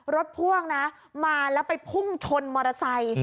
พ่วงนะมาแล้วไปพุ่งชนมอเตอร์ไซค์